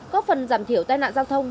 có phần giảm thiểu tai nạn giao thông